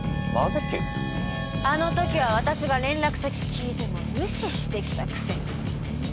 あのときは私が連絡先聞いても無視してきたくせに。